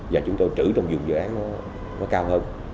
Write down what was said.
và chúng tôi trữ trong dùng dự án nó cao hơn